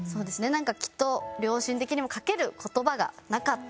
なんかきっと両親的にもかける言葉がなかった。